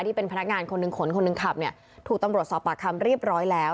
ที่เป็นพนักงานคนหนึ่งขนคนหนึ่งขับเนี่ยถูกตำรวจสอบปากคำเรียบร้อยแล้ว